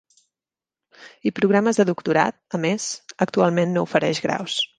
i programes de doctorat, a més, actualment no ofereix graus.